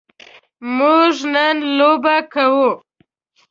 موږ نن لوبه کوو.